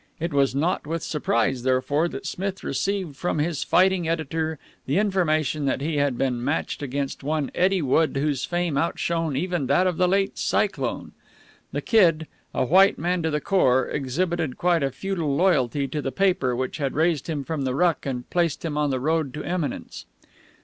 It was not with surprise, therefore, that Smith received from his fighting editor the information that he had been matched against one Eddie Wood, whose fame outshone even that of the late Cyclone. The Kid, a white man to the core, exhibited quite a feudal loyalty to the paper which had raised him from the ruck and placed him on the road to eminence.